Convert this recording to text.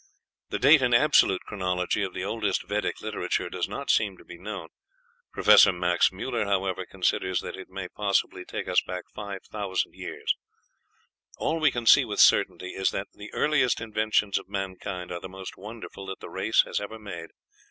The date in absolute chronology of the oldest Vedic literature does not seem to be known. Professor Max Müller, however, considers that it may possibly take us back 5000 years.... All we can see with certainty is that the earliest inventions of mankind are the most wonderful that the race has ever made....